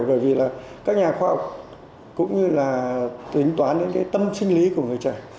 bởi vì các nhà khoa học cũng như là tính toán đến tâm sinh lý của người trẻ